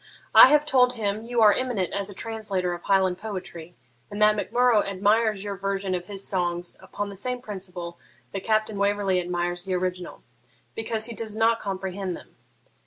I have told him you are eminent as a translator of Highland poetry, and that Mac Murrough admires your version of his songs upon the same principle that Captain Waverley admires the original, because he does not comprehend them.